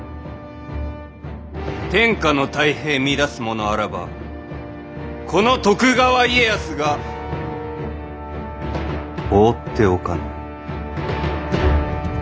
天下の太平乱す者あらばこの徳川家康が放っておかぬ。